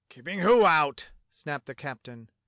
"Keeping who out.'^" snapped the captain.